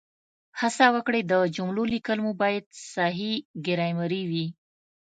هڅه وکړئ د جملو لیکل مو باید صحیح ګرامري وي